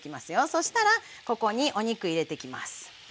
そしたらここにお肉入れていきます。